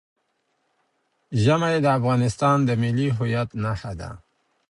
ژمی د افغانستان د ملي هویت نښه ده.